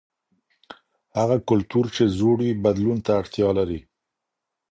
هغه کلتور چې زوړ وي بدلون ته اړتیا لري.